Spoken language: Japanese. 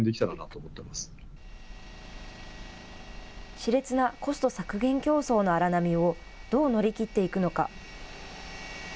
しれつなコスト削減競争の荒波をどう乗り切っていくのか。